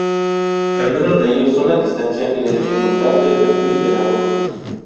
Algunos de ellos son la distancia y la dificultad del perfil de la ruta.